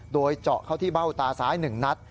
โดยเจาะเข้าที่เบ้าตาซ้าย๑นัด